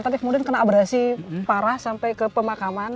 tapi kemudian kena abrasi parah sampai ke pemakaman